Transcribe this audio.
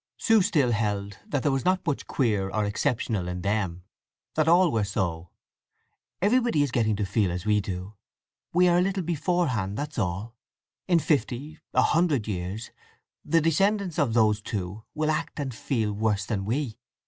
Sue still held that there was not much queer or exceptional in them: that all were so. "Everybody is getting to feel as we do. We are a little beforehand, that's all. In fifty, a hundred, years the descendants of these two will act and feel worse than we.